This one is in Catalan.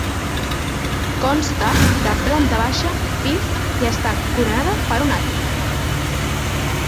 Consta de planta baixa, pis i està coronada per un àtic.